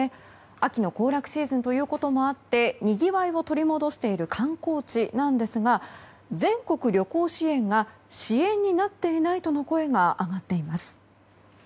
秋の行楽シーズンということもあってにぎわいを取り戻している観光地なんですが全国旅行支援が支援になっていないとの声が上がっています。